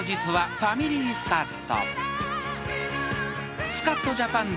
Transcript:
ファミリースカッと］